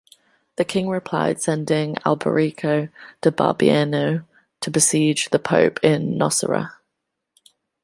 The King replied sending Alberico da Barbiano to besiege the pope in Nocera.